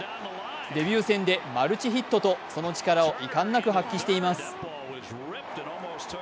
デビュー戦でマルチヒットとその力をいかんなく発揮しています。